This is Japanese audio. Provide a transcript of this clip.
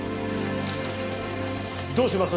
どうします？